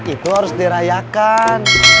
itu harus dirayakan